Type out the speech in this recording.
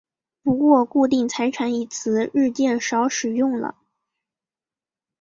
不过固定财产一词日渐少使用了。